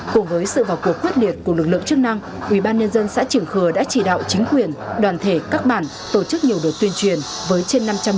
cùng với sự vào cuộc quyết liệt của lực lượng chức năng ubnd xã triển khừa đã chỉ đạo chính quyền đoàn thể các bản tổ chức nhiều đợt tuyên truyền với trên năm trăm linh người